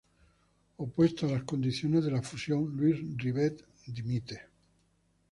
Opuesto a las condiciones de la fusión, Luis Rivet dimite.